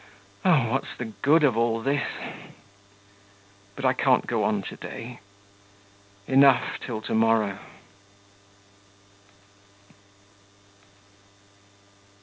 Ah, what's the good of all this? But I can't go on to day. Enough till to morrow.